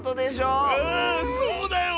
⁉そうだよ！